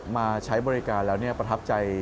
มาใช้บริการแล้วประทับใจ